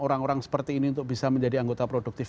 orang orang seperti ini untuk bisa menjadi anggota produktif